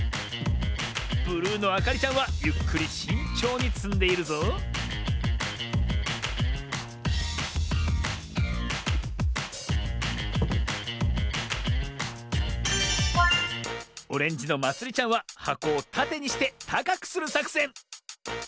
ブルーのあかりちゃんはゆっくりしんちょうにつんでいるぞオレンジのまつりちゃんははこをたてにしてたかくするさくせん。